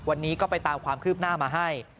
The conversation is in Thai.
วันนี้ก็ไปตามความคืบหน้ามาให้